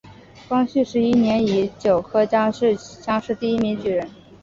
光绪十一年乙酉科江西乡试第一名举人。